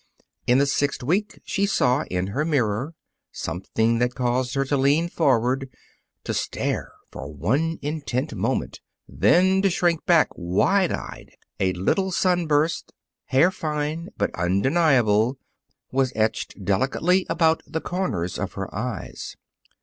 In the sixth week she saw, in her mirror, something that caused her to lean forward, to stare for one intent moment, then to shrink back, wide eyed. A little sunburst, hair fine but undeniable, was etched delicately about the corners of her eyes.